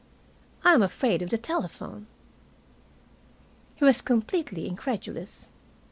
"I am afraid of the telephone." He was completely incredulous.